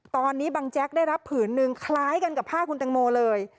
ตอนนี้บังแจ๊กได้รับผืนหนึ่งคล้ายกันกับผ้าคุณตังโมเลย